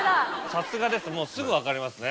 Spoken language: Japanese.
さすがですすぐ分かりますね。